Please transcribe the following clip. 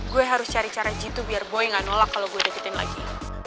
gue harus cari cara gitu biar boy gak nolak kalau gue deketin lagi